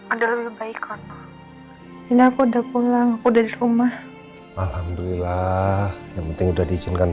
udah lebih baik kon ini aku udah pulang udah di rumah alhamdulillah yang penting udah diizinkan